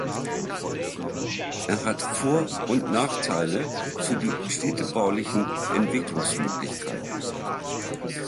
Er hat Vor- und Nachteile für die städtebaulichen Entwicklungsmöglichkeiten.